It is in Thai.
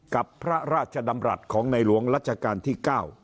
กับพระราชดำรัฐของในหลวงรัชกาลที่๙